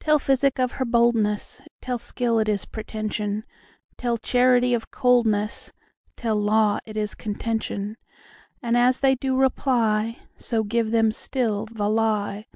Tell physic of her boldness; Tell skill it is pretension; Tell charity of coldness; Tell law it is contention:And as they do reply, So give them still the lie.